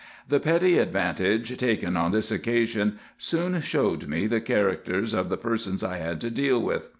The petty advantage taken on this occasion soon showed me the characters of the persons I had to deal with.